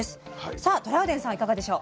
さあトラウデンさんいかがでしょう？